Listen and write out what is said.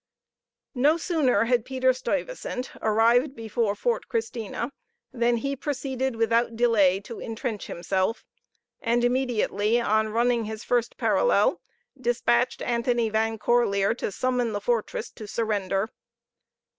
No sooner had Peter Stuyvesant arrived before Forth Christina, than he proceeded without delay to entrench himself, and immediately on running his first parallel, dispatched Antony Van Corlear to summon the fortress to surrender.